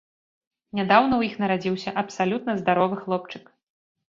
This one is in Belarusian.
Нядаўна ў іх нарадзіўся абсалютна здаровы хлопчык.